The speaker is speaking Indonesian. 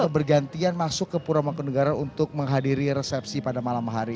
atau bergantian masuk ke puramangkunegara untuk menghadiri resepsi pada malam hari